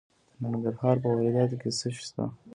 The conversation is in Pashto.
د ننګرهار په روداتو کې څه شی شته؟